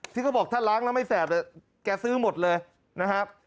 ที่เขาบอกถ้าล้างแล้วไม่แสบแกซื้อหมดเลยนะครับ